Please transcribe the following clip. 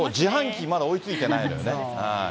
自販機、まだ追いついてないのよね。